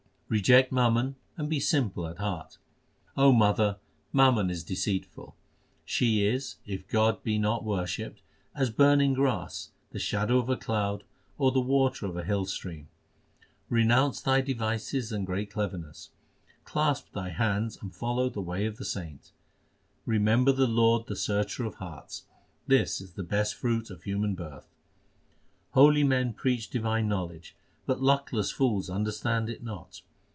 Reject mammon and be simple at heart : O mother, mammon is deceitful, She is, if God be not worshipped, as burning grass, the shadow of a cloud, or the water of a hill stream. Renounce thy devices and great cleverness ; clasp thy hands and follow the way of the saint. Remember the Lord the Searcher of hearts ; this is the best fruit of human birth. Holy men preach divine knowledge, but luckless fools understand it not.